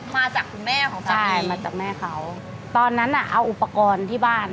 มาจากคุณแม่ของป้ากายมาจากแม่เขาตอนนั้นอ่ะเอาอุปกรณ์ที่บ้าน